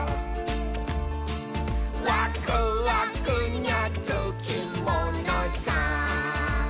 「ワクワクにゃつきものさ」